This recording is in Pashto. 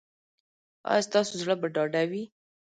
ایا ستاسو زړه به ډاډه وي؟